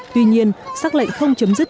tuy nhiên xác lệnh không chấm dứt